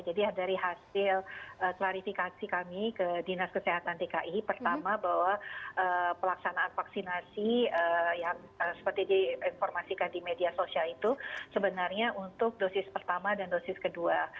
jadi dari hasil klarifikasi kami ke dinas kesehatan dki pertama bahwa pelaksanaan vaksinasi yang seperti diinformasikan di media sosial itu sebenarnya untuk dosis pertama dan dosis kedua